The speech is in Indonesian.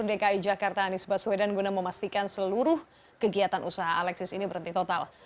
dki jakarta anies baswedan guna memastikan seluruh kegiatan usaha alexis ini berhenti total